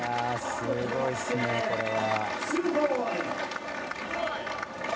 すごいっすね、これは。